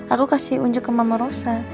aku kasih unjuk ke mama rosa